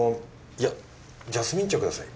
いやジャスミン茶ください。